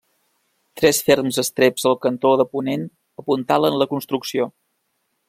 Tres ferms estreps al cantó de ponent apuntalen la construcció.